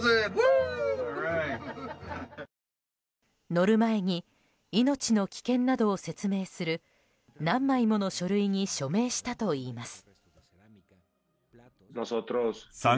乗る前に命の危険などを説明する何枚もの書類に署名したといいます。